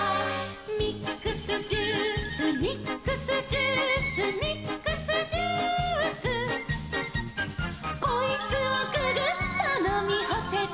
「ミックスジュースミックスジュース」「ミックスジュース」「こいつをググッとのみほせば」